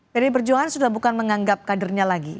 peri berjuangan sudah bukan menganggap kadernya lagi